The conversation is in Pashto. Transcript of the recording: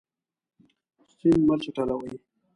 سیند مه چټلوئ.